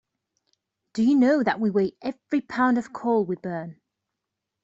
Do you know that we weigh every pound of coal we burn.